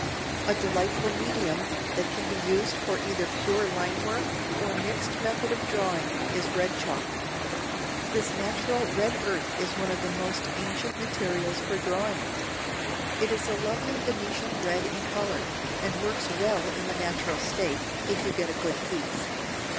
] A delightful medium that can be used for either pure line work or a mixed method of drawing, is red chalk. This natural red earth is one of the most ancient materials for drawing. It is a lovely Venetian red in colour, and works well in the natural state, if you get a good piece.